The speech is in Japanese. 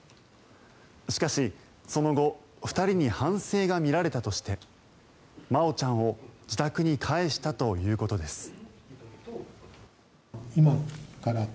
しかし、その後２人に反省が見られたとして真愛ちゃんを自宅に帰したということです。